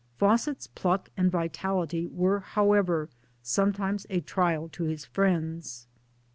Fawcett's pluck and vitality were how ever sometimes a trial to his friends.